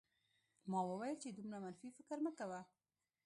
ما وویل چې دومره منفي فکر مه کوه